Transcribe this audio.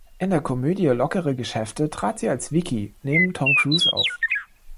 In der Komödie "Lockere Geschäfte" trat sie als "Vicki" neben Tom Cruise auf.